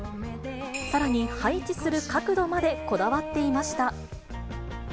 さらに、配置する角度までこだわっていました。